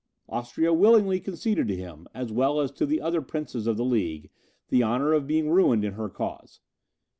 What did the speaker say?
Austria willingly conceded to him, as well as to the other princes of the League, the honour of being ruined in her cause.